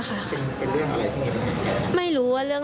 กลุ่มวัยรุ่นฝั่งพระแดง